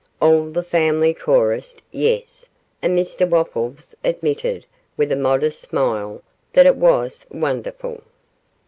All the family chorused 'Yes,' and Mr Wopples admitted, with a modest smile, that it was wonderful.